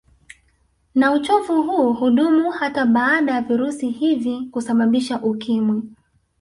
Na uchovu huu hudumu hata baada ya virusi hivi kusababisha Ukimwi